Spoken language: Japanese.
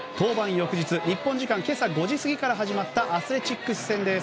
翌日、日本時間今朝５時過ぎから始まったアスレチックス戦です。